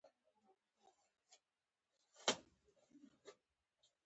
پلاستيک ډېر ډولونه لري.